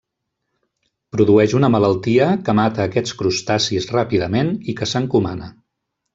Produeix una malaltia que mata aquests crustacis ràpidament i que s’encomana.